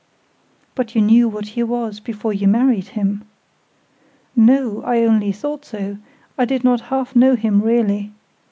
"But you knew what he was before you married him." "No; I only thought so: I did not half know him really.